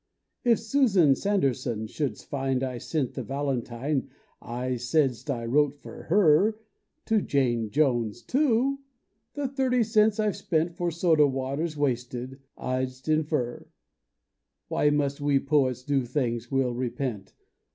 If Susan Sanderson shouldst find I sent The valentine I saidst I wrote for her To Jane Jones, too, the thirty cents I Ve spent For soda water s wasted, I dst infer: Why must we poets do things we 11 repent?